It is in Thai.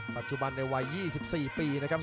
ปัจจุบันในวัย๒๔ปีนะครับ